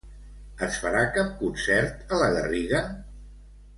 Es farà cap concert a la Garriga?